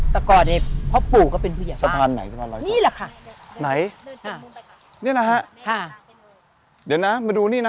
แต่ก่อนเนี่ยเพราะปู่ก็เป็นผู้ใหญ่มาก